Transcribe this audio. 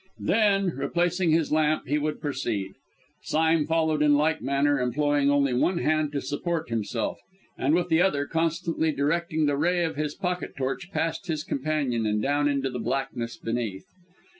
Then, replacing his lamp, he would proceed. Sime followed in like manner, employing only one hand to support himself, and, with the other, constantly directing the ray of his pocket torch past his companion, and down into the blackness beneath.